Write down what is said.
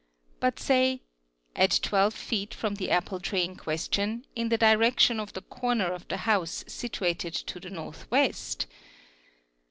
...." but say "at 1! feet from the apple tree in question in the direction of the corner of th house situated to the north west.